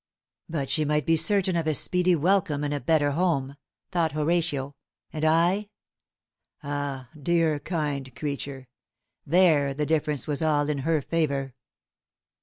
"But she might be certain of a speedy welcome in a better home," thought Horatio; "and I ? Ah, dear kind creature, there the difference was all in her favour."